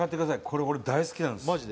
これ俺大好きなんです